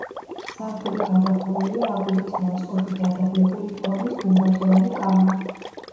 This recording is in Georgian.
სართული გადახურულია აგურით ნაწყობი დადაბლებული ფორმის გუმბათოვანი კამარით.